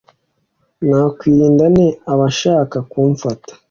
nakwirinda nte abashaka kumfata